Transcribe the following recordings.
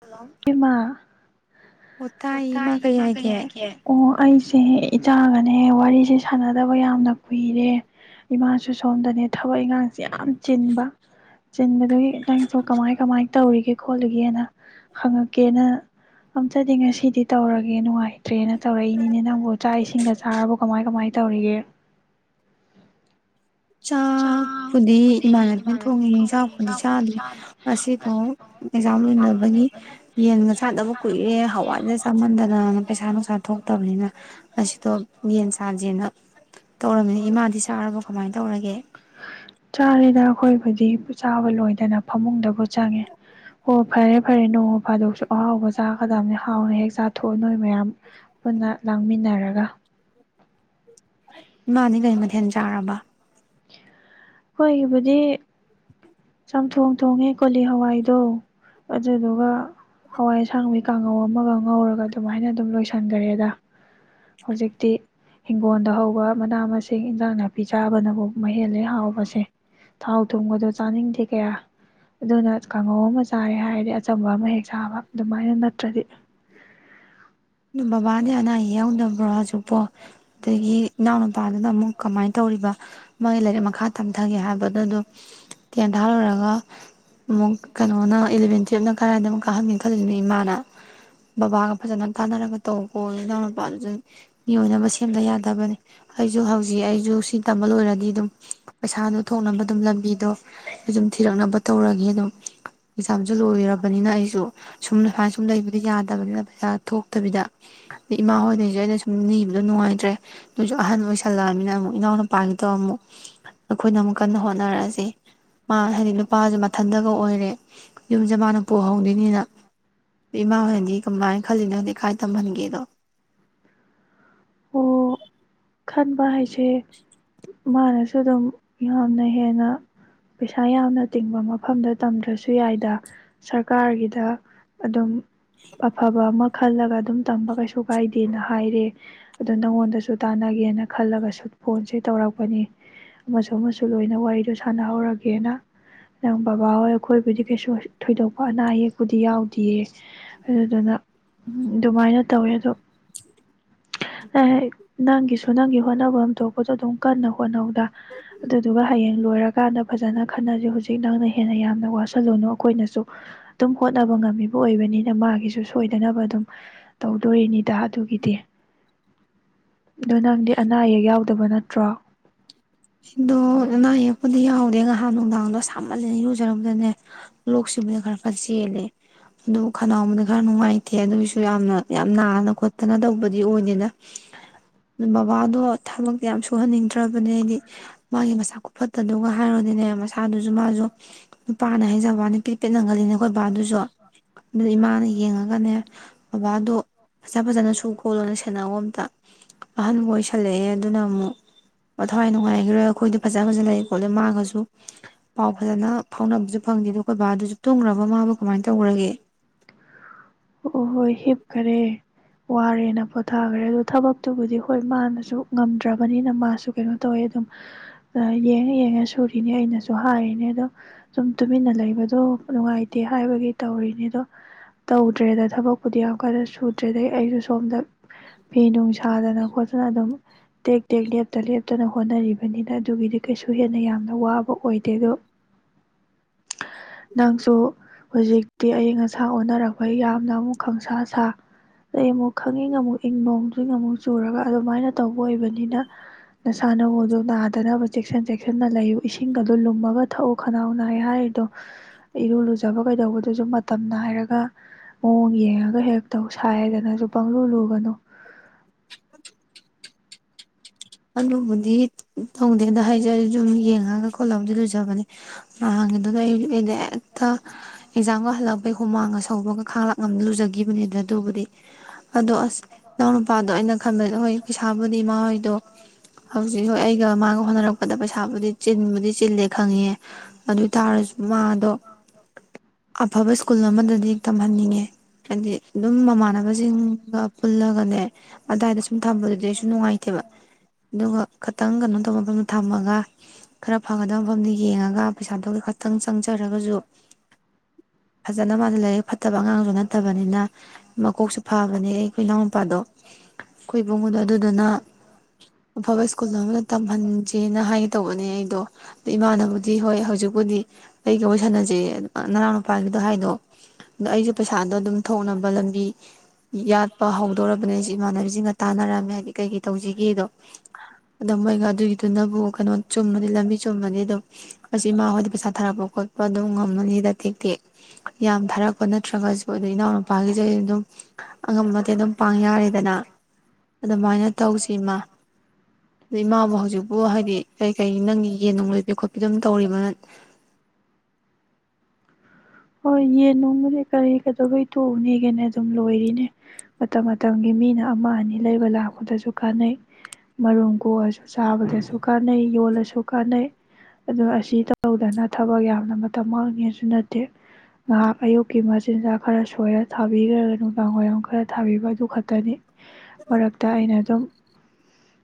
hello ꯏꯃꯥ ꯑꯣ ꯇꯥꯏ ꯏꯃꯥ ꯀꯩ ꯍꯥꯏꯒꯦ ꯑꯣ ꯑꯩꯁꯦ ꯏꯆꯥꯒꯅꯦ ꯋꯥꯔꯤꯁꯦ ꯁꯥꯟꯅꯗꯕ ꯌꯥꯝꯅ ꯀꯨꯏꯔꯦ ꯏꯃꯥꯁꯨ ꯁꯣꯝꯗꯅꯦ ꯊꯕꯛ ꯏꯉꯥꯡ ꯁꯤ ꯌꯥꯝ ꯆꯤꯟꯕ ꯆꯤꯟꯕꯗꯒꯤ ꯅꯪꯁꯨ ꯀꯃꯥꯏ ꯀꯃꯥꯏꯅ ꯇꯧꯔꯤꯒꯦ ꯈꯣꯠꯂꯒꯦꯅ ꯍꯪꯉꯛꯀꯦꯅ ꯑꯝꯇꯗꯤ ꯉꯁꯤꯗꯤ ꯇꯧꯔꯒꯦ ꯅꯨꯡꯉꯥꯏ ꯇ꯭ꯔꯦꯅ ꯇꯧꯔꯛꯏꯅꯤꯅꯦ ꯅꯪꯕꯨ ꯆꯥꯛ ꯏꯁꯤꯡꯒ ꯆꯥꯔꯕ ꯀꯃꯥꯏ ꯀꯃꯥꯏꯅ ꯇꯧꯔꯤꯒꯦ ꯆꯥꯛꯄꯨꯗꯤ ꯏꯃꯥꯟꯅꯕꯤꯅ ꯊꯣꯡꯉꯤ ꯆꯥꯛꯄꯨꯗꯤ ꯆꯥꯗ꯭ꯔꯤ ꯉꯁꯤꯗꯣ ꯑꯦꯛꯖꯥꯝ ꯂꯣꯏꯅꯕꯒꯤ ꯌꯦꯟꯒ ꯆꯥꯗꯕ ꯀꯨꯏꯔꯦ ꯍꯋꯥꯏꯅ ꯆꯥꯃꯟꯗꯅꯅ ꯄꯩꯁꯥ ꯅꯨꯡꯁꯥ ꯊꯣꯛꯇꯕꯅꯤꯅ ꯉꯁꯤꯗꯣ ꯌꯦꯟ ꯆꯥꯖꯦꯅ ꯇꯧꯔꯝꯃꯤꯅ ꯏꯃꯥꯗꯤ ꯆꯥꯔꯕ ꯀꯃꯥꯏꯅ ꯇꯧꯔꯒꯦ ꯆꯔꯦꯗꯥ ꯑꯩꯈꯣꯏꯕꯨꯗꯤ ꯆꯥꯕ ꯂꯣꯏꯗꯅ ꯐꯃꯨꯡꯗ ꯄꯆꯥꯡꯉꯦ ꯍꯣ ꯐꯔꯦ ꯐꯔꯦ ꯅꯣꯡꯃ ꯐꯥꯗꯣꯛꯁꯨ ꯑꯍꯥꯎꯕ ꯆꯥꯒꯗꯕꯅꯤ ꯍꯥꯎꯅ ꯍꯦꯛ ꯆꯥꯊꯣꯛꯑꯣ ꯅꯣꯏ ꯃꯌꯥꯝ ꯄꯨꯟꯅ ꯂꯥꯡꯃꯤꯟꯅꯔꯒ ꯏꯃꯥꯗꯤ ꯀꯔꯤ ꯃꯊꯦꯜ ꯆꯥꯔꯕ ꯍꯣꯏꯒꯤꯕꯨꯗꯤ ꯆꯝꯊꯣꯡ ꯊꯣꯡꯉꯦ ꯀꯣꯂꯤ ꯍꯋꯥꯏꯗꯣ ꯑꯗꯨꯗꯨꯒ ꯍꯋꯥꯏ ꯑꯁꯥꯡꯕꯤ ꯀꯥꯡꯉꯧ ꯑꯃꯒ ꯉꯧꯔꯒ ꯑꯗꯨꯃꯥꯏꯅ ꯑꯗꯨꯝ ꯂꯣꯏꯁꯟꯒꯔꯦꯗ ꯍꯧꯖꯤꯛꯇꯤ ꯍꯤꯡꯒꯣꯜꯗ ꯍꯧꯕ ꯃꯅꯥ ꯃꯁꯤꯡ ꯏꯟꯖꯥꯡ ꯅꯥꯄꯤ ꯆꯥꯕꯅꯕꯨ ꯃꯍꯦꯜꯂ ꯍꯥꯎꯕ ꯁꯦ ꯊꯥꯎ ꯊꯨꯝꯒꯗꯣ ꯆꯥꯅꯤꯡꯗꯦ ꯀꯌꯥ ꯑꯗꯨꯅ ꯀꯥꯡꯉꯧ ꯑꯃ ꯆꯥꯔꯦ ꯍꯥꯏꯔꯗꯤ ꯑꯆꯝꯕ ꯑꯃ ꯍꯦꯛ ꯆꯥꯕ ꯑꯗꯨꯃꯥꯏꯅ ꯅꯠꯇ꯭ꯔꯗꯤ ꯑꯗꯨ ꯕꯕꯥꯗꯤ ꯑꯅꯥ ꯑꯌꯦꯛ ꯌꯥꯎꯗꯕ꯭ꯔꯣ ꯍꯧꯖꯤꯛꯄꯣ ꯑꯗꯒꯤ ꯏꯅꯥꯎꯅꯨꯄꯥꯗꯨꯅ ꯑꯃꯨꯛ ꯀꯃꯥꯏꯅ ꯇꯧꯔꯤꯕ ꯃꯣꯏ ꯂꯥꯏꯔꯤꯛ ꯃꯈꯥ ꯇꯝꯊꯒꯦ ꯍꯥꯏꯕ ꯑꯗꯨꯗꯣ ꯇꯦꯟ ꯊꯥ ꯂꯣꯢꯔꯒ ꯑꯃꯨꯛ ꯀꯩꯅꯣꯅ ꯏꯂꯚꯦꯟ ꯇꯨꯌꯦꯞꯅ ꯀꯔꯥꯏꯗ ꯑꯃꯨꯛ ꯀꯥꯍꯟꯒꯦ ꯈꯜꯂꯤꯅꯣ ꯏꯃꯥꯅ ꯕꯕꯥꯒ ꯐꯖꯅ ꯐꯅꯕ ꯇꯧꯀꯣ ꯏꯅꯥꯎ ꯅꯨꯄꯥꯗꯨꯁꯨ ꯃꯤ ꯑꯣꯏꯅꯕ ꯁꯦꯝꯗ ꯌꯥꯗꯕꯅꯤ ꯑꯩꯁꯨ ꯍꯧꯖꯤꯛ ꯑꯩꯁꯨ ꯁꯤ ꯇꯝꯕ ꯂꯣꯏꯔꯗꯤ ꯑꯗꯨꯝ ꯄꯩꯁꯥꯗꯣ ꯊꯣꯛꯅꯕ ꯑꯗꯨꯝ ꯂꯝꯕꯤꯗꯣ ꯑꯗꯨꯝ ꯊꯤꯔꯛꯅꯕ ꯇꯧꯔꯒꯦ ꯑꯗꯨꯝ ꯑꯦꯛꯖꯥꯝꯁꯨ ꯂꯣꯏꯔꯕꯅꯤꯅ ꯑꯩꯁꯨ ꯁꯨꯝ ꯁꯨꯃꯥꯏꯅ ꯁꯨꯝ ꯂꯩꯕꯗꯤ ꯌꯥꯗꯕꯅꯤꯅ ꯄꯩꯁꯥ ꯅꯠꯇꯕꯤꯗ ꯏꯃꯥ ꯍꯣꯏꯗꯩꯁꯨ ꯑꯩꯅ ꯁꯨꯝ ꯅꯤꯕꯗꯣ ꯅꯨꯡꯉꯥꯏꯇ꯭ꯔꯦ ꯅꯣꯏꯁꯨ ꯑꯍꯟ ꯑꯣꯏꯁꯜ ꯑꯃ ꯏꯅꯥꯎ ꯅꯨꯄꯥꯒꯤꯗꯣ ꯑꯃꯨꯛ ꯑꯩꯈꯣꯏꯅ ꯑꯃꯨꯛ ꯀꯟꯅ ꯍꯣꯠꯅꯔꯛꯑꯁꯤ ꯃꯥ ꯍꯥꯏꯗꯤ ꯅꯨꯄꯥꯁꯨ ꯃꯊꯟꯇꯒ ꯑꯣꯏꯔꯦ ꯌꯨꯝꯁꯦ ꯃꯥꯅ ꯄꯨꯍꯧꯗꯣꯏꯅꯤꯅ ꯏꯃꯥ ꯍꯣꯏꯅꯗꯤ ꯀꯃꯥꯏꯅ ꯈꯜꯂꯤ ꯅꯪꯗꯤ ꯀꯥꯏ ꯇꯝꯍꯟꯒꯦꯗꯣ ꯑꯣ ꯈꯟꯕ ꯍꯥꯏꯁꯦ ꯍꯦ ꯃꯥꯅꯁꯨ ꯑꯗꯨꯝ ꯌꯥꯝꯅ ꯍꯦꯟꯅ ꯄꯩꯁꯥ ꯌꯥꯝꯅ ꯇꯤꯡꯕ ꯃꯐꯝꯗ ꯇꯝꯗ꯭ꯔꯁꯨ ꯌꯥꯏꯗ ꯁꯔꯀꯥꯔꯒꯤꯗ ꯑꯗꯨꯝ ꯑꯐꯕ ꯑꯃ ꯈꯜꯂꯒ ꯑꯗꯨꯝ ꯇꯝꯕ ꯀꯩꯁꯨ ꯀꯥꯏꯗꯦꯅ ꯍꯥꯏꯔꯦ ꯑꯗꯣ ꯅꯪꯉꯣꯟꯗꯁꯨ ꯇꯥꯅꯒꯦꯅ ꯈꯜꯂꯒꯁꯨ ꯐꯣꯟꯁꯦ ꯇꯧꯔꯛꯄꯅꯤ ꯑꯃꯁꯨ ꯑꯃꯁꯨ ꯂꯣꯏꯅ ꯋꯥꯔꯤꯗꯣ ꯁꯥꯟꯅꯍꯧꯔꯒꯦꯅ ꯅꯪ ꯕꯕꯥꯍꯣꯏ ꯑꯩꯈꯣꯏꯕꯨꯗꯤ ꯀꯩꯁꯨ ꯊꯣꯏꯗꯣꯛꯄ ꯑꯅꯥ ꯑꯌꯦꯛꯄꯨꯗꯤ ꯌꯥꯎꯗꯤꯌꯦ ꯑꯗꯨꯗꯨꯅ ꯑꯗꯨꯃꯥꯏꯅ ꯇꯧꯋꯦ ꯑꯗꯣ ꯅꯪꯒꯤꯁꯨ ꯅꯪꯒꯤ ꯍꯣꯠꯅꯕꯝ ꯊꯣꯛꯄꯗꯣ ꯑꯗꯨꯝ ꯀꯟꯅ ꯍꯣꯠꯅꯧꯗ ꯑꯗꯨꯗꯨꯒ ꯍꯌꯦꯡ ꯂꯣꯏꯔꯀꯥꯟꯗ ꯐꯖꯅ ꯈꯟꯅꯖꯦ ꯍꯧꯖꯤꯛ ꯅꯪꯅ ꯍꯦꯟꯅ ꯌꯥꯝꯅ ꯋꯥꯁꯤꯜꯂꯨꯅꯨ ꯑꯩꯈꯣꯏꯅꯁꯨ ꯑꯗꯨꯝ ꯍꯣꯠꯅꯕ ꯉꯝꯃꯤꯕ ꯑꯣꯏꯕꯅꯤꯅ ꯃꯥꯒꯤꯁꯨ ꯁꯣꯏꯗꯅꯕ ꯑꯗꯨꯝ ꯇꯧꯗꯣꯔꯤꯅꯤꯗ ꯑꯗꯨꯒꯤꯗꯤ ꯑ ꯅꯪꯗꯤ ꯑꯅꯥ ꯑꯌꯦꯛ ꯌꯥꯎ ꯗꯕ ꯅꯠꯇ꯭ꯔꯣ ꯁꯤꯗꯣ ꯑꯅꯥ ꯑꯌꯦꯛꯄꯗꯤ ꯌꯥꯎꯗꯦ ꯉꯍꯥꯟ ꯅꯨꯡꯗꯥꯡꯗꯣ ꯁꯥꯃꯜꯂꯦꯅ ꯏꯔꯨꯖꯔꯝꯕꯗꯅꯦ ꯂꯣꯛ ꯁꯤꯕꯗ ꯈꯔ ꯈꯔ ꯆꯦꯜꯂꯦ ꯑꯗꯨ ꯈꯅꯥꯎꯕꯨꯗꯤ ꯈꯔ ꯅꯨꯡꯉꯥꯏꯇꯦ ꯑꯗꯨꯒꯤꯁꯨ ꯌꯥꯝꯅ ꯌꯥꯝ ꯅꯥꯅ ꯈꯣꯠꯇꯅ ꯇꯧꯕꯗꯤ ꯑꯣꯏꯗꯦꯗ ꯑꯗꯨ ꯕꯕꯥꯗꯣ ꯊꯕꯛꯇꯤ ꯌꯥꯝ ꯁꯨꯍꯟꯅꯤꯡꯗ꯭ꯔꯕꯅꯦ ꯑꯩꯗꯤ ꯃꯥꯒꯤ ꯃꯁꯥ ꯈꯨꯐꯠꯇꯗꯨꯒ ꯍꯥꯏꯔꯣꯗꯤꯅꯦ ꯃꯁꯥꯗꯨꯖꯨ ꯃꯥꯖꯨ ꯅꯨꯄꯥꯅꯦ ꯍꯥꯏꯩꯖꯕ ꯋꯥꯅꯤ ꯄꯦꯠ ꯅꯥꯒꯜꯂꯤꯅꯦ ꯑꯩꯈꯣꯏ ꯕꯥꯗꯨꯁꯨ ꯑꯗꯨꯗ ꯏꯃꯥꯅ ꯌꯦꯡꯉꯒꯅꯦ ꯕꯕꯥꯗꯣ ꯐꯖ ꯐꯖꯅ ꯁꯨ ꯈꯣꯜꯂꯣꯅ ꯁꯦꯟꯅꯧꯋꯣ ꯑꯝꯇ ꯑꯍꯟꯕꯨ ꯑꯣꯏꯁꯜꯂꯛꯑꯦ ꯑꯗꯨꯅ ꯑꯃꯨꯛ ꯃꯊꯋꯥꯏ ꯅꯨꯡꯉꯥꯏ ꯈꯣꯏ ꯐꯖ ꯐꯖ ꯂꯩ ꯈꯣ ꯃꯥꯒꯁꯨ ꯄꯥꯎ ꯐꯖ ꯐꯥꯎꯅꯕꯁꯨ ꯐꯪꯗꯦ ꯑꯗꯨꯒꯗ ꯑꯩꯈꯣꯏ ꯕꯥꯗꯨꯁꯨ ꯇꯨꯝꯒꯔꯕ ꯃꯥꯕꯨ ꯀꯃꯥꯏꯅ ꯇꯧꯒꯔꯒꯦ ꯈꯔꯦ ꯋꯥꯔꯦꯅ ꯄꯣꯊꯥꯈꯔꯦ ꯑꯗꯨ ꯊꯕꯛꯇꯨꯕꯨꯗꯤ ꯍꯣꯏ ꯃꯥꯅꯁꯨ ꯉꯝꯗ꯭ꯔꯕꯅꯤꯅ ꯃꯥꯁꯨ ꯀꯩꯅꯣ ꯇꯧꯋꯦ ꯑꯗꯨꯝ ꯌꯦꯡꯉ ꯌꯦꯡꯉ ꯁꯨꯔꯤꯅꯦ ꯑꯩꯅꯁꯨ ꯍꯥꯏꯔꯤꯅꯦ ꯑꯗꯣ ꯁꯨꯝ ꯇꯨꯃꯤꯟꯅ ꯂꯩꯕꯗꯣ ꯅꯨꯡꯉꯥꯏꯇꯦ ꯍꯥꯏꯕꯒꯤ ꯇꯧꯔꯤꯅꯦ ꯑꯗꯣ ꯇꯧꯗ꯭ꯔꯦꯗ ꯊꯕꯛꯄꯨꯗꯤ ꯌꯥꯝ ꯀꯟꯅ ꯁꯨꯗ꯭ꯔꯦꯗꯩ ꯑꯩꯁꯨ ꯁꯣꯝꯗ ꯐꯤ ꯅꯨꯡ ꯁꯥꯗꯅ ꯈꯣꯠꯇꯅ ꯑꯗꯨꯝ ꯇꯦꯛ ꯇꯦꯛ ꯂꯦꯞꯇ ꯂꯦꯞꯇꯅ ꯍꯣꯠꯅꯔꯤꯕꯅꯤꯅ ꯑꯗꯨꯒꯤꯗꯤ ꯀꯩꯁꯨ ꯍꯦꯟꯅ ꯌꯥꯝ ꯋꯥꯕ ꯑꯣꯏꯗꯦ ꯑꯗꯣ ꯅꯪꯁꯨ ꯍꯧꯖꯤꯛꯇꯤ ꯑꯏꯪ ꯑꯁꯥ ꯑꯣꯟꯅꯔꯛꯄ ꯌꯥꯝꯅ ꯑꯃꯨꯛ ꯈꯪꯁꯥ ꯁꯥ ꯑꯗꯩ ꯑꯃꯨꯛ ꯈꯪꯏꯪ ꯑꯃꯨꯛ ꯏꯪ ꯅꯣꯡꯁꯤꯡ ꯑꯃꯨꯛ ꯆꯨꯔꯒ ꯑꯗꯨꯃꯥꯏꯅ ꯇꯧꯕ ꯑꯣꯏꯕꯅꯤꯅ ꯅꯁꯥꯅꯋꯨꯗꯣ ꯅꯥꯗꯅꯕ ꯆꯦꯛꯁꯤꯟ ꯆꯦꯛꯁꯤꯟꯅ ꯂꯩꯌꯨ ꯏꯁꯤꯡ ꯑꯗꯨ ꯂꯨꯝꯃꯒ ꯊꯛꯎ ꯈꯅꯥꯎ ꯅꯥꯏ ꯍꯥꯏꯔꯤꯗꯣ ꯏꯔꯨ ꯂꯨꯖꯕ ꯀꯩꯗꯧꯕꯗꯨꯁꯨ ꯃꯇꯝ ꯅꯥꯏꯔꯒ ꯃꯑꯣꯡ ꯌꯦꯡꯉꯒ ꯍꯦꯛꯇꯧ ꯁꯥꯏꯗꯅꯁꯨ ꯄꯪꯂꯧ ꯂꯨꯒꯅꯨ ꯑꯗꯨꯕꯨꯗꯤ ꯊꯣꯡꯗꯦꯗ ꯍꯥꯏ ꯑꯩ ꯑꯗꯨꯝ ꯌꯦꯡꯉꯒ ꯈꯣꯠꯂꯒꯕꯨꯗꯤ ꯂꯨꯖ ꯕꯅꯦ ꯑꯗꯨꯗ ꯑꯩ ꯍꯦꯛꯇ ꯑꯦꯛꯖꯥꯝꯒ ꯍꯜꯂꯛꯄꯩ ꯍꯨꯃꯥꯡꯒ ꯁꯧꯕꯒ ꯈꯥꯡꯂꯥꯛ ꯉꯝ ꯂꯨꯖꯒꯤꯈꯤꯕꯅꯤꯗ ꯑꯗꯨꯕꯨꯗꯤ ꯑꯗꯣ ꯑꯁ ꯏꯅꯥꯎ ꯅꯨꯄꯥꯗꯣ ꯑꯩꯅ ꯈꯟꯕꯗ ꯍꯣꯏꯏ ꯄꯩꯁꯥꯕꯨꯗꯤ ꯃꯥꯥ ꯍꯣꯏꯗꯣ ꯍꯧꯖꯤꯛ ꯍꯣꯏ ꯑꯩꯒ ꯃꯥꯒ ꯍꯣꯠꯅꯔꯛꯄꯗ ꯄꯩꯁꯥꯕꯨꯗꯤ ꯆꯤꯟꯕꯨꯗꯤ ꯆꯤꯜꯂꯦ ꯈꯪꯉꯤ ꯑꯗꯨ ꯑꯣꯏꯇꯥꯥꯔꯁꯨ ꯃꯥꯗꯣ ꯑꯐꯕ ꯁ꯭ꯀꯨꯜ ꯑꯃꯗꯗꯤ ꯇꯝꯍꯟꯅꯤꯡꯉꯦ ꯍꯥꯏꯗꯤ ꯑꯗꯨꯝ ꯃꯃꯥꯟꯅꯕꯖꯤꯡꯒ ꯄꯨꯜꯂꯒꯅꯦ ꯑꯗꯥꯏꯗ ꯁꯨꯝ ꯊꯝꯕꯗꯨꯗꯤ ꯑꯩꯁꯨ ꯅꯨꯡꯉꯥꯏꯇꯦꯕ ꯑꯗꯨꯒ ꯈꯇꯪ ꯀꯩꯅꯣ ꯇꯧꯕ ꯃꯐꯝꯗꯣ ꯊꯝꯃꯒ ꯈꯔ ꯐꯒꯗꯕ ꯃꯐꯝꯗꯨ ꯌꯦꯡꯉꯒ ꯄꯩꯁꯥꯗꯨ ꯈꯇꯪ ꯆꯪꯖꯔꯒꯖꯨ ꯍꯖ ꯅ ꯃꯥꯅ ꯂꯥꯏꯔꯤꯛ ꯐꯠꯇꯕ ꯑꯉꯥꯡꯁꯨ ꯅꯠꯇꯕꯅꯤꯅ ꯃꯀꯣꯛꯁꯨ ꯐꯥꯕꯅꯦ ꯑꯩꯈꯣꯏ ꯏꯅꯥꯎ ꯅꯨꯄꯥꯗꯣ ꯑꯩꯈꯣꯏ ꯏꯕꯨꯡꯉꯗꯣ ꯑꯗꯨꯗꯨꯅ ꯑꯐꯕ ꯁ꯭ꯀꯨꯜ ꯑꯃꯗ ꯇꯝꯍꯟꯖꯦꯅ ꯍꯥꯏꯒꯦ ꯇꯧꯕꯅꯦ ꯑꯩꯗꯣ ꯑ ꯏꯃꯥꯅꯕꯨꯗꯤ ꯍꯣꯏ ꯍꯧꯖꯤꯛ ꯕꯨꯗꯤ ꯑꯩꯒ ꯋꯥꯔꯤ ꯁꯥꯟꯅꯖꯦꯌꯦ ꯃꯄꯥꯥꯟꯒꯤꯗꯣ ꯍꯥꯏꯅꯣ ꯗꯣ ꯑꯩꯁꯨ ꯄꯩꯁꯥꯗꯣ ꯑꯗꯨꯝ ꯊꯣꯛꯅꯕ ꯂꯝꯕꯤ ꯌꯥꯠꯄ ꯍꯧꯗꯣꯔꯥꯕꯅꯦ ꯑꯩꯁꯤ ꯏꯃꯥꯟꯅꯕꯤꯁꯤꯡꯒ ꯇꯥꯟꯅꯔꯝꯃꯦ ꯍꯥꯗꯤ ꯀꯩꯀꯩ ꯇꯧꯖꯤ ꯒꯤꯗꯣ ꯑꯗ ꯃꯣꯏꯒ ꯑꯗꯨꯒꯤꯗꯨꯅꯕꯨ ꯀꯩꯅꯣ ꯆꯨꯝꯃꯅꯤ ꯂꯝꯕꯤ ꯆꯨꯝꯃꯅꯤ ꯑꯗꯨꯝ ꯃꯁꯤ ꯏꯃꯥꯈꯣꯏꯗ ꯄꯩꯁꯥ ꯊꯥꯔꯛꯄ ꯈꯣꯠꯄ ꯑꯗꯨꯝ ꯉꯝꯃꯅꯤꯗ ꯇꯦꯛꯇꯦꯛ ꯌꯥꯝ ꯊꯥꯔꯛꯄ ꯅꯠꯇ꯭ꯔꯒꯁꯨ ꯑꯗꯩ ꯏꯅꯥꯎꯅꯨꯄꯥꯒꯤꯁꯨ ꯑꯗꯨꯝ ꯑꯉꯝꯕꯗꯤ ꯑꯗꯨꯝ ꯄꯥꯡ ꯌꯥꯔꯦꯗꯅ ꯑꯗꯨꯃꯥꯏꯅ ꯇꯧꯁꯤ ꯏꯃꯥ ꯑꯗꯩ ꯏꯃꯥꯕꯨ ꯍꯧꯖꯤꯛꯄꯨ ꯍꯥꯏꯗꯤ ꯀꯩ ꯀꯩ ꯅꯪꯒꯤ ꯌꯦꯟ ꯅꯨꯡ ꯂꯣꯏꯕꯤ ꯈꯣꯠꯄꯤ ꯑꯗꯨꯝ ꯇꯧꯔꯤꯕ ꯅꯠ ꯍꯣꯏ ꯌꯦꯟ ꯅꯨꯡꯕꯨꯗꯤ ꯀꯔꯤ ꯀꯗꯧꯕꯩ ꯇꯣꯛꯅꯤꯒꯦꯅꯦ ꯑꯗꯨꯝ ꯂꯣꯏꯔꯤꯅꯦ ꯃꯇꯝ ꯃꯇꯝꯒꯤ ꯃꯤꯅ ꯑꯃ ꯑꯅꯤ ꯂꯩꯕ ꯂꯥꯛꯄꯗꯁꯨ ꯀꯥꯟꯅꯩ ꯃꯔꯨꯝ ꯀꯣꯛꯑꯁꯨ ꯆꯥꯕꯗꯁꯨꯨ ꯀꯥꯟꯅꯩ ꯌꯣꯜꯂ ꯁꯨ ꯀꯥꯟꯅꯩ ꯑꯗꯣ ꯑꯁꯤ ꯇꯧꯗꯅ ꯊꯕꯛ ꯌꯥꯝꯅ ꯃꯇꯝ ꯃꯥꯡꯅꯤꯁꯨ ꯅꯠ ꯇꯦ ꯉꯥꯏꯍꯥꯛ ꯑꯌꯨꯛꯀꯤ ꯃꯆꯤꯟꯖꯥꯛ ꯈꯔ ꯁꯣꯏꯔ ꯊꯥꯕꯤꯈ꯭ꯔꯒ ꯅꯨꯡꯗꯥꯡ ꯋꯥꯏꯔꯝ ꯈꯔ ꯊꯥꯕꯤꯕ ꯑꯗꯨ ꯈꯠꯇꯅꯤ ꯃꯔꯛꯇ ꯑꯩꯅ ꯑꯗꯨꯝ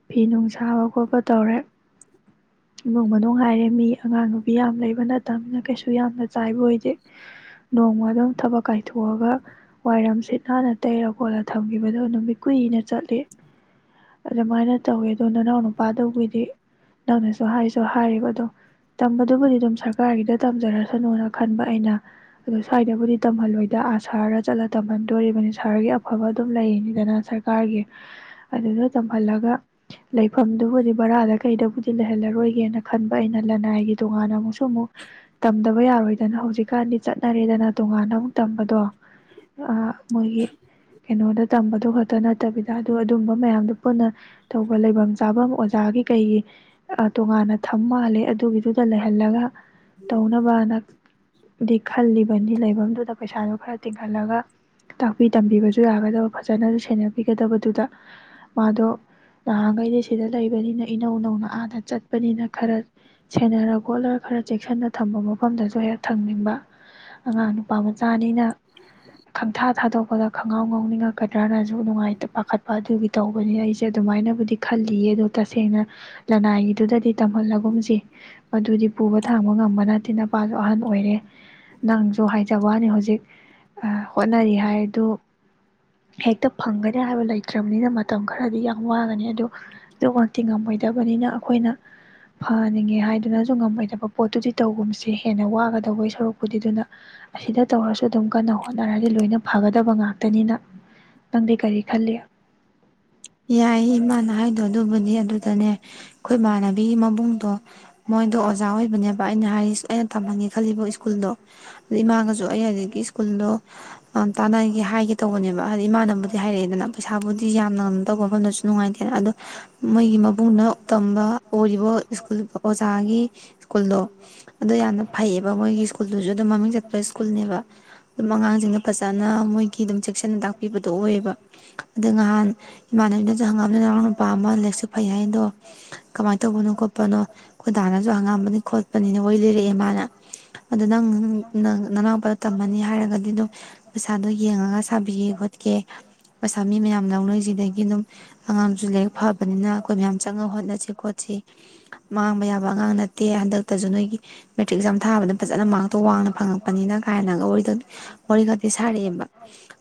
ꯐꯤ ꯅꯨꯡ ꯁꯥꯕ ꯈꯣꯠꯄ ꯇꯧꯔꯦ ꯏꯃꯨꯡ ꯃꯅꯨꯡ ꯍꯥꯏꯔꯦ ꯃꯤ ꯑꯉꯥꯡ ꯅꯨꯕꯤ ꯌꯥꯝ ꯂꯩꯕ ꯅꯠꯇꯃꯤꯅ ꯀꯩꯁꯨ ꯌꯥꯝꯅ ꯆꯥꯏꯕ ꯑꯣꯏ ꯗꯦ ꯅꯣꯡꯃ ꯑꯗꯨꯝ ꯊꯕꯛ ꯀꯥꯏꯊꯣꯛꯑꯒ ꯋꯥꯏꯔꯝ ꯁꯤꯠ ꯅꯥꯟꯅ ꯇꯩꯔ ꯈꯣꯠꯂ ꯊꯝꯈꯤꯕꯗꯣ ꯅꯨꯃꯤꯠ ꯀꯨꯏꯅ ꯆꯠꯂꯤ ꯑꯗꯨꯃꯥꯏꯅ ꯇꯧꯋꯦ ꯑꯗꯣ ꯅꯅꯥꯎ ꯅꯨꯄꯥꯗꯨꯒꯤꯗꯤ ꯅꯪꯅꯁꯨ ꯍꯥꯏꯁꯨ ꯍꯥꯏꯔꯤꯕ ꯑꯗꯣ ꯇꯝꯕꯗꯨꯕꯨꯗꯤ ꯑꯗꯨꯝ ꯁꯔꯀꯥꯔꯒꯤꯗ ꯇꯝꯖꯔꯁꯅꯨꯅ ꯈꯟꯕ ꯑꯩꯅ ꯑꯗꯣ ꯁ꯭ꯋꯥꯏꯗꯕꯨꯗꯤ ꯇꯝꯍꯜꯂꯣꯏꯗ ꯑ ꯁꯍꯔꯗ ꯆꯠꯂ ꯇꯝꯍꯟꯗꯣꯔꯤꯕꯅꯤ ꯁꯍꯔꯒꯤ ꯑꯐꯕ ꯑꯗꯨꯝ ꯂꯩꯅꯤꯗꯅ ꯁꯔꯀꯥꯔꯒꯤ ꯑꯗꯨꯗ ꯇꯝꯍꯜꯂꯒ ꯂꯩꯐꯝꯗꯨꯕꯨꯗꯤ ꯕꯔꯥꯗ ꯀꯩꯗꯕꯨꯗꯤ ꯂꯩꯍꯜꯂꯔꯣꯏꯒꯦꯅ ꯈꯟꯕ ꯑꯩꯅ ꯂꯅꯥꯏꯒꯤ ꯇꯣꯉꯥꯟꯅ ꯑꯃꯨꯛꯁꯨ ꯑꯃꯨꯛ ꯇꯝꯗꯕ ꯌꯥꯔꯣꯏ ꯑꯗꯨꯅ ꯍꯧꯖꯤꯛꯀꯥꯟꯗꯤ ꯆꯠꯅꯔꯦꯗꯅ ꯇꯣꯉꯥꯟꯅ ꯑꯃꯨꯛ ꯇꯝꯕꯗꯣ ꯃꯣꯏꯒꯤ ꯀꯩꯅꯣꯗ ꯇꯝꯕꯗꯣ ꯈꯛꯇ ꯅꯠꯇꯕꯤꯗ ꯑꯗꯨ ꯑꯗꯨꯝꯕ ꯃꯌꯥꯝꯗꯣ ꯄꯨꯟꯅ ꯇꯧꯕ ꯂꯩꯐꯝ ꯆꯥꯐꯝ ꯑꯣꯖꯥꯒꯤ ꯀꯩꯒꯤ ꯇꯣꯉꯥꯟꯅ ꯊꯝ ꯃꯥꯜꯂꯦ ꯑꯗꯨꯒꯤꯗꯨꯗ ꯂꯩꯍꯜꯂꯒ ꯇꯧꯅꯕꯅ ꯗꯤ ꯈꯜꯂꯤꯕꯅꯤ ꯂꯩꯐꯝꯗꯨꯗ ꯄꯩꯁꯥꯗꯣ ꯈꯔ ꯇꯤꯡꯍꯜꯂꯒ ꯇꯥꯛꯄꯤ ꯇꯝꯕꯤꯕꯁꯨ ꯌꯥꯒꯗꯕ ꯐꯖꯅꯁꯨ ꯁꯦꯟꯅꯕꯤꯒꯗꯕꯗꯨꯗ ꯃꯥꯗꯣ ꯅꯍꯥꯟꯈꯩꯗꯤ ꯁꯤꯗ ꯂꯩꯕꯅꯤꯅ ꯏꯅꯧ ꯅꯧꯅ ꯑꯥꯗ ꯆꯠꯄꯅꯤꯅ ꯈꯔ ꯁꯦꯟꯅꯔ ꯈꯣꯠꯂ ꯈꯔ ꯆꯦꯛꯁꯤꯟꯅ ꯊꯝꯕ ꯃꯐꯝꯗꯁꯨ ꯍꯦꯛ ꯊꯝꯅꯤꯡꯕ ꯑꯉꯥꯡ ꯅꯨꯄꯥ ꯃꯆꯥꯅꯤꯅ ꯈꯪꯊꯥ ꯊꯥꯗꯣꯛꯄꯗ ꯈꯣꯡꯉꯥꯎ ꯉꯥꯎꯅꯤꯡꯉꯛꯀꯗ꯭ꯔꯅꯁꯨ ꯅꯨꯡꯉꯥꯏꯇ ꯄꯥꯈꯠꯄ ꯑꯗꯨꯒꯤ ꯇꯧꯕꯅꯤ ꯑꯩꯁꯦ ꯑꯗꯨꯃꯥꯏꯅꯕꯨꯗꯤ ꯈꯜꯂꯤꯌꯦ ꯑꯗꯣ ꯇꯁꯦꯡꯅ ꯂꯅꯥꯏꯒꯤꯗꯨꯗꯗꯤ ꯇꯝꯍꯜꯂꯒꯨꯝꯁꯦ ꯃꯗꯨꯗꯤ ꯄꯨꯕ ꯊꯥꯡꯕ ꯉꯝꯕ ꯅꯠꯇꯦ ꯅꯨꯄꯥꯁꯨ ꯑꯍꯟ ꯑꯣꯏꯔꯦ ꯅꯪꯁꯨ ꯍꯥꯏ ꯖꯕꯥꯅꯤ ꯍꯧꯖꯤꯛ ꯍꯣꯠꯅꯔꯤ ꯍꯥꯏꯗꯨ ꯍꯦꯛꯇ ꯐꯪꯒꯅꯤ ꯍꯥꯏꯕ ꯂꯩꯇ꯭ꯔꯕꯅꯤꯅ ꯃꯇꯝ ꯈꯔꯗꯤ ꯌꯥꯝ ꯋꯥꯒꯅꯤ ꯑꯗꯨ ꯑꯗꯨꯃꯛꯇꯤ ꯉꯝꯃꯣꯏꯗꯕꯅꯤꯅ ꯑꯩꯈꯣꯏꯅ ꯐꯅꯤꯡꯉꯦ ꯍꯥꯏꯗꯨꯅꯁꯨ ꯉꯝꯃꯣꯏꯗꯕ ꯄꯣꯠꯇꯨꯗꯤ ꯇꯧꯒꯨꯝꯁꯦ ꯍꯦꯟꯅ ꯋꯥꯒ ꯒꯗꯧꯕꯩ ꯁꯔꯨꯛꯄꯨꯗꯤ ꯗꯨꯅ ꯑꯁꯤꯗ ꯇꯧꯔꯁꯨ ꯑꯗꯨꯝ ꯀꯟꯅ ꯍꯣꯠꯅꯔꯗꯤ ꯂꯣꯏꯅ ꯐꯒꯠ ꯇꯕ ꯉꯥꯛꯇꯅꯤꯅ ꯅꯪꯗꯤ ꯀꯔꯤ ꯈꯜꯂꯤ ꯌꯥꯏ ꯏꯃꯥꯅ ꯍꯥꯏꯗꯣ ꯑꯗꯨꯕꯨ ꯑꯗꯨꯗꯅꯦ ꯑꯩꯈꯣꯏ ꯏꯃꯥꯟꯅꯕꯤꯒꯤ ꯃꯕꯨꯡꯗꯣ ꯃꯣꯏꯗꯣ ꯑꯣꯖꯥ ꯑꯣꯏꯕꯅꯦꯕ ꯑꯩꯅ ꯍꯥꯏꯔꯤꯁꯦ ꯑꯩꯅ ꯇꯝꯍꯟꯒꯦ ꯈꯜꯂꯤꯕ ꯁ꯭ꯀꯨꯜꯗꯣ ꯑꯗꯩ ꯏꯃꯥꯒꯁꯨ ꯑꯩ ꯍꯧ ꯖꯤꯛꯀꯤ ꯁ꯭ꯀꯨꯜꯗꯣ ꯇꯥꯟꯅꯒꯦ ꯍꯥꯏꯒꯦ ꯇꯧꯕꯅꯦꯕ ꯍꯥꯏꯗꯤ ꯏꯃꯥꯟꯅꯕꯕꯨꯗꯤ ꯍꯥꯏꯔꯛꯑꯦꯗꯅ ꯄꯩꯁꯥꯕꯨꯗꯤ ꯌꯥꯝꯃꯝ ꯃꯐꯝꯗꯁꯨ ꯅꯨꯡꯉꯥꯏꯇꯦ ꯑꯗꯣ ꯃꯣꯏꯒꯤ ꯃꯕꯨꯡꯅ ꯇꯝꯕ ꯑꯣꯏꯔꯤꯕ ꯁ꯭ꯀꯨꯜ ꯑꯣꯖꯥꯒꯤ ꯁ꯭ꯀꯨꯜꯗꯣ ꯑꯗꯨ ꯌꯥꯝꯅ ꯐꯩꯌꯦꯕ ꯃꯣꯏꯒꯤ ꯁ꯭ꯀꯨꯜꯗꯨꯁꯨ ꯑꯗꯨꯝ ꯃꯃꯤꯡ ꯆꯠꯄ ꯁ꯭ꯀꯨꯜꯅꯦꯕ ꯑꯗꯨꯝ ꯑꯉꯥꯡꯁꯤꯡꯅ ꯐꯖꯅ ꯃꯣꯏꯒꯤ ꯑꯗꯨꯝ ꯆꯦꯛꯁꯤꯟꯅ ꯇꯥꯛꯄꯤꯕꯗꯣ ꯑꯣꯏꯌꯦꯕ ꯑꯗꯣ ꯅꯍꯥꯟ ꯏꯃꯥꯟꯅꯕꯤꯅꯁꯨ ꯍꯪꯉꯛ ꯑꯝꯃꯦ ꯅꯅꯥꯎ ꯅꯨꯄꯥ ꯑꯃꯂ ꯂꯩꯔꯦꯛꯁꯨ ꯐꯩ ꯑꯗꯣ ꯀꯃꯥꯏꯅ ꯇꯧꯕꯅꯣ ꯈꯣꯠꯄꯅꯣ ꯈꯨꯣꯏꯗꯥꯅꯁꯨ ꯍꯪꯉꯛ ꯑꯝꯕꯅꯤ ꯈꯣꯠꯄꯤ ꯅꯤꯅ ꯋꯥꯔꯤ ꯂꯤꯔꯛꯑꯦ ꯃꯥꯅ ꯑꯗꯣ ꯅꯪ ꯅꯅꯥꯎꯄꯥꯗ ꯇꯝꯍꯟꯅꯤ ꯍꯥꯏꯔꯒꯗꯤ ꯑꯗꯨꯝ ꯄꯩꯁꯥꯗꯣ ꯌꯦꯡꯉꯒ ꯁꯥꯕꯤꯒꯦ ꯈꯣꯠꯀꯦ ꯄꯩꯁꯥ ꯃꯤ ꯃꯌꯥꯝ ꯂꯧꯅꯩꯁꯤꯗꯒꯤ ꯑꯗꯨꯝ ꯑꯉꯥꯡꯁꯨ ꯂꯥꯏꯔꯤꯛ ꯐꯕꯅꯤꯅ ꯑꯩꯈꯣꯏ ꯃꯌꯥꯝ ꯆꯪꯉ ꯍꯣꯠꯅꯁꯤ ꯈꯣꯠꯁꯤ ꯃꯥꯡꯕ ꯌꯥꯕ ꯑꯉꯥꯡ ꯅꯠꯇꯦ ꯍꯟꯗꯛ ꯇꯖ ꯅꯣꯏꯒꯤ ꯃꯦꯇ꯭ꯔꯤꯛ ꯑꯦꯛꯖꯥꯝ ꯊꯥꯕꯗ ꯐꯖꯅ ꯃꯥꯔꯛꯇꯣ ꯋꯥꯡꯅ ꯐꯪꯉꯛꯄꯅꯤꯅ ꯀꯥꯏꯅꯒ ꯋꯥꯔꯤ ꯋꯥꯔꯤ ꯈꯛꯇꯤ ꯁꯥꯔꯛꯑꯦꯕ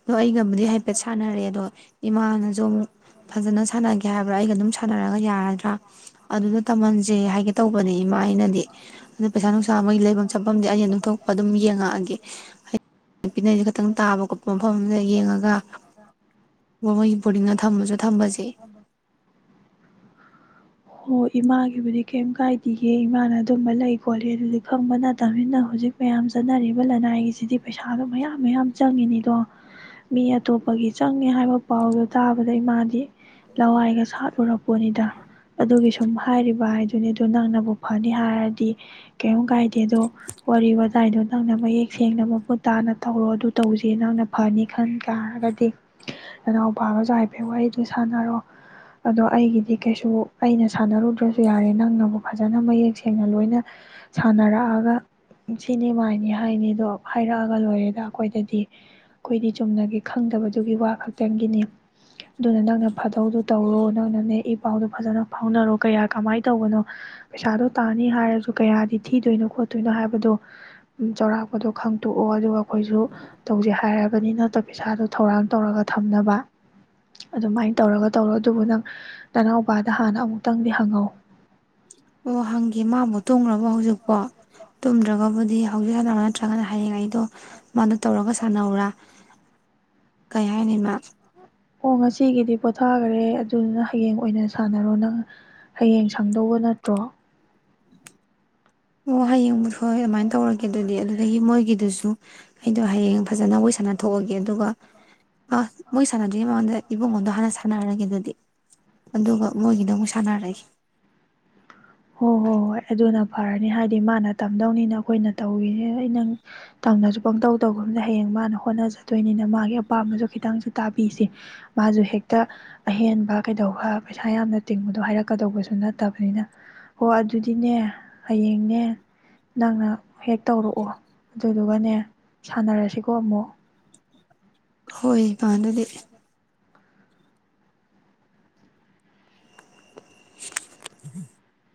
ꯑꯗꯣ ꯑꯩꯒꯕꯨꯗꯤ ꯍꯥꯏꯐꯦꯠ ꯁꯥꯟꯅꯔꯦ ꯑꯗꯣ ꯏꯃꯥꯅꯁꯨ ꯑꯃꯨꯛ ꯐꯖꯅ ꯁꯥꯟꯅꯒꯦ ꯍꯥꯏꯕ꯭ꯔꯥ ꯑꯩꯒ ꯑꯗꯨꯝ ꯁꯥꯟꯅꯔꯒ ꯌꯥꯔꯗ꯭ꯔꯥ ꯑꯗꯨꯗ ꯇꯝꯍꯟꯁꯦ ꯍꯥꯏꯒꯦ ꯇꯧꯕꯅꯦ ꯏꯃꯥꯩꯅꯗꯤ ꯑꯗꯨ ꯄꯩꯁꯥ ꯅꯨꯡꯁꯥ ꯃꯣꯏꯒꯤ ꯂꯩꯐꯝ ꯆꯠꯐꯝꯗꯤ ꯑꯩꯅ ꯑꯗꯨ ꯊꯣꯛꯣꯛꯄ ꯑꯗꯨꯝ ꯌꯦꯡꯉꯛꯑꯒꯦ ꯍꯥꯏꯗꯤ ꯅꯨꯄꯤꯅꯩꯁꯨ ꯈꯈꯤꯇꯪ ꯇꯥꯕ ꯈꯣꯠꯄ ꯃꯐꯝ ꯑꯃꯗ ꯌꯦꯡꯉꯒ ꯃꯣꯏꯒꯤ ꯕꯣꯔꯗꯤꯡ ꯊꯝꯃꯁꯨ ꯊꯝꯝꯕꯁꯦ ꯑꯣ ꯏꯃꯥꯒꯤꯕꯨꯗꯤ ꯀꯩꯝ ꯀꯥꯏꯗꯒꯦ ꯏꯃꯥꯅ ꯑꯗꯨꯝꯕ ꯂꯩ ꯈꯣꯠꯂꯤ ꯑꯗꯨꯗꯤ ꯈꯪꯕ ꯅꯠꯇꯕꯅꯤꯅ ꯍꯧꯖꯤꯛ ꯃꯌꯥꯝ ꯆꯠꯅꯔꯤꯕ ꯂꯅꯥꯏꯒꯤꯁꯤꯗꯤ ꯄꯩꯁꯥꯗꯣ ꯃꯌꯥꯝ ꯃꯌꯥꯝ ꯆꯪꯉꯤꯅꯤꯗꯣ ꯃꯤ ꯑꯇꯣꯞꯄꯒꯤ ꯆꯪꯉꯦ ꯍꯥꯏꯕ ꯄꯥꯎꯗꯣ ꯇꯥꯕꯗ ꯏꯃꯥꯗꯤ ꯂꯋꯥꯏꯒ ꯁꯥꯠꯂꯨꯔꯛꯄꯣꯅꯤꯗ ꯑꯗꯨꯒꯤ ꯁꯨꯝ ꯍꯥꯏꯔꯤꯕ ꯍꯥꯏꯗꯨꯅꯤ ꯑꯗꯨ ꯅꯪꯅꯕꯨ ꯐꯅꯤ ꯍꯥꯏꯔꯗꯤ ꯀꯩꯝ ꯀꯥꯏꯗꯦ ꯑꯗꯣ ꯋꯥꯔꯤ ꯋꯥꯇꯥꯏꯗꯣ ꯅꯪꯅ ꯃꯌꯦꯛ ꯁꯦꯡꯅ ꯃꯃꯨꯠ ꯇꯥꯅ ꯇꯧꯔꯣ ꯑꯗꯨ ꯇꯧꯁꯦ ꯅꯪꯅ ꯐꯅꯤ ꯈꯟ ꯇꯔꯒꯗꯤ ꯅꯅꯥꯎꯄꯥꯒꯁꯨ ꯍꯥꯏꯐꯦꯠ ꯋꯥꯔꯤꯗ ꯁꯥꯟꯅꯔꯣ ꯑꯗꯣ ꯑꯩꯒꯤꯗꯤ ꯀꯩꯁꯨ ꯑꯩꯅ ꯁꯥꯟꯅꯔꯨꯗ꯭ꯔꯁꯨ ꯌꯥꯔꯦ ꯅꯪꯅꯕꯨ ꯐꯖꯅ ꯃꯌꯦꯛ ꯁꯦꯡꯅ ꯂꯣꯏꯅ ꯁꯥꯟꯅꯔꯛꯑꯒ ꯁꯤꯅꯦ ꯃꯥꯏꯅꯤ ꯍꯥꯏꯅꯤꯗꯣ ꯍꯥꯏꯔꯛꯑꯒ ꯂꯣꯏꯔꯦꯗ ꯑꯩꯈꯣꯏꯗꯗꯤ ꯑꯩꯈꯣꯏꯗꯤ ꯆꯨꯝꯅꯒꯤ ꯈꯪꯗꯕꯗꯨꯒꯤ ꯋꯥ ꯈꯛꯇꯪꯒꯤꯅꯤ ꯑꯗꯨꯅ ꯅꯪꯅ ꯐꯥꯗꯧꯗꯨ ꯇꯧꯔꯣ ꯅꯪꯅꯅꯦ ꯏ ꯄꯥꯎꯗꯨ ꯐꯖꯅ ꯐꯥꯎꯅꯔꯣ ꯀꯌꯥ ꯀꯃꯥꯏꯅ ꯇꯧꯕꯅꯣ ꯄꯩꯁꯥꯗꯣ ꯇꯥꯅꯤ ꯍꯥꯏꯔꯁꯨ ꯀꯌꯥꯗꯤ ꯊꯤꯗꯣꯏꯅꯣ ꯈꯣꯠꯇꯣꯏꯅꯣ ꯍꯥꯏꯕꯗꯣ ꯆꯥꯎꯔꯥꯛꯄꯗꯣ ꯈꯪꯇꯣꯛꯑꯣ ꯑꯗꯨꯒ ꯑꯩꯈꯣꯏꯁꯨ ꯇꯧꯁꯦ ꯍꯥꯏꯔꯕꯅꯤ ꯅꯠꯇ ꯄꯩꯁꯥꯗꯣ ꯊꯧꯔꯥꯡ ꯇꯧꯔꯒ ꯊꯝꯅꯕ ꯑꯗꯨꯃꯥꯏꯅ ꯇꯧꯔꯒ ꯇꯧꯔꯣ ꯑꯗꯨꯕꯨ ꯅꯪ ꯅꯅꯥꯎꯄꯥꯗ ꯗ ꯍꯥꯟꯅ ꯑꯃꯨꯛꯇꯪꯗꯤ ꯍꯪꯉꯧ ꯑꯣ ꯍꯪꯒꯦ ꯃꯥꯕꯨ ꯇꯨꯝꯈ꯭ꯔꯕꯣ ꯍꯧꯖꯤꯛꯄꯣ ꯇꯨꯝꯗ꯭ꯔꯒꯕꯨꯗꯤ ꯍꯧꯖꯤꯛ ꯍꯥꯟ ꯅꯠꯇ꯭ꯔꯒꯅ ꯍꯌꯦꯡ ꯑꯩꯗꯣ ꯃꯥꯅ ꯇꯧꯔꯒ ꯁꯥꯟꯅꯧꯔꯥ ꯀꯩ ꯍꯥꯏꯅꯤꯃ ꯑꯣ ꯉꯁꯤꯒꯤꯗꯤ ꯄꯣꯊꯥꯈꯔꯦ ꯑꯗꯨꯗꯨꯅ ꯍꯌꯦꯡ ꯑꯣꯏꯅ ꯁꯥꯟꯅꯔꯣ ꯅꯪ ꯍꯌꯦꯡ ꯁꯪꯗꯧꯕ ꯅꯠꯇ꯭ꯔꯣ ꯑꯣ ꯍꯌꯦꯡꯕꯨ ꯍꯣꯏ ꯑꯗꯨꯃꯥꯏꯅ ꯇꯧꯔꯒꯦ ꯑꯗꯨꯗꯤ ꯑꯗꯨꯗꯒꯤ ꯃꯣꯏꯒꯤꯗꯨꯁꯨ ꯑꯩꯗꯣ ꯍꯌꯦꯡ ꯐꯖꯅ ꯋꯥꯔꯤꯣꯏ ꯁꯥꯟꯅꯊꯣꯛꯑꯒꯦ ꯑꯗꯨꯒ ꯑ ꯃꯣꯏ ꯁꯥꯟꯅꯗ꯭ꯔꯤꯉꯩ ꯃꯃꯥꯡꯗ ꯏꯕꯨꯡꯉꯣꯗꯣ ꯍꯥꯟꯅ ꯁꯥꯟꯅꯔꯒꯦ ꯑꯗꯨꯗꯤ ꯑꯗꯨꯒ ꯃꯣꯏꯒꯤꯗꯣ ꯑꯃꯨꯛ ꯁꯥꯟꯅꯔꯒꯦ ꯍꯣꯏ ꯍꯣꯏ ꯍꯣꯏ ꯑꯗꯨꯅ ꯐꯔꯅꯤ ꯍꯥꯏꯗꯤ ꯃꯥꯅ ꯇꯝꯗꯧꯅꯤꯅ ꯑꯩꯈꯣꯏꯅ ꯇꯧꯔꯤꯅꯤ ꯅꯪ ꯇꯪꯅꯁꯨ ꯄꯪꯇꯧ ꯇꯧꯕ ꯑꯃꯅ ꯍꯌꯦꯡ ꯃꯥꯅ ꯍꯣꯠꯅꯖꯗꯣꯏꯅꯤꯅ ꯃꯥꯒꯤ ꯑꯄꯥꯝꯕꯁꯨ ꯈꯤꯇꯪꯁꯨ ꯇꯥꯕꯤꯁꯦ ꯃꯥꯁꯨ ꯍꯦꯛꯇ ꯑꯍꯦꯟꯕ ꯀꯩꯗꯧꯕ ꯄꯩꯁꯥ ꯌꯥꯝꯅ ꯇꯤꯡꯕꯗꯣ ꯍꯥꯏꯔꯛꯀꯗꯧꯕꯁꯨ ꯅꯠꯇꯕꯅꯤꯅ ꯍꯣ ꯑꯗꯨꯗꯤꯅꯦ ꯍꯌꯦꯡꯅꯦ ꯅꯪꯅ ꯍꯦꯛ ꯇꯧꯔꯛꯑꯣ ꯑꯗꯨ ꯑꯗꯨꯒꯅꯦ ꯁꯥꯟꯅꯔꯁꯤꯀꯣ ꯑꯃꯨꯛ ꯍꯣꯏ ꯄꯥꯟꯗꯗꯤ [inaudible]